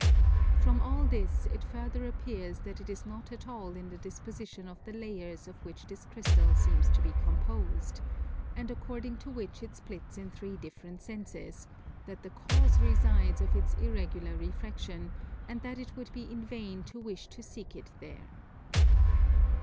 From all this it further appears that it is not at all in the disposition of the layers of which this crystal seems to be composed, and according to which it splits in three different senses, that the cause resides of its irregular refraction; and that it would be in vain to wish to seek it there.